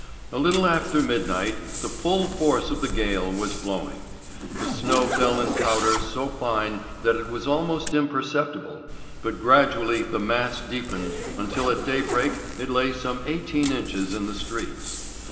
A little after midnight the full force of the gale was blowing. The snow fell in powder so fine that it was almost imperceptible, but gradually the mass deepened until at daybreak it lay some eighteen inches in the streets.